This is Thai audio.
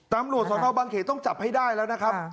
ตำรวจสนบางเขตต้องจับให้ได้แล้วนะครับ